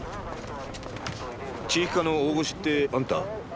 地域課の大越ってあんた？